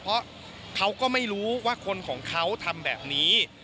เพราะเขาก็ไม่รู้ว่าคนของเขาทำแบบนี้